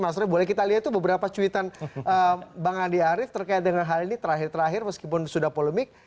mas roy boleh kita lihat tuh beberapa cuitan bang andi arief terkait dengan hal ini terakhir terakhir meskipun sudah polemik